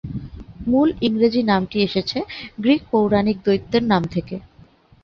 মূল ইংরেজি নামটি এসেছে গ্রীক পৌরাণিক দৈত্যের নাম থেকে।